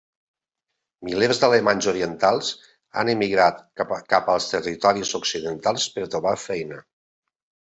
Milers d'alemanys orientals han emigrat cap als territoris occidentals per trobar feina.